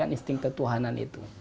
adalah insting ketuhanan itu